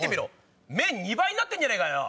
麺２倍になってるじゃねえかよ！